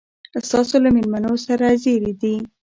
ستا له مېلمنو سره زېري دي.